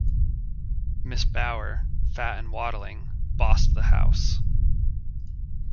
Mrs. Bower, fat and waddling, bossed the house.